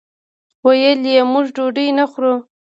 ویل یې موږ ډوډۍ نه خورو.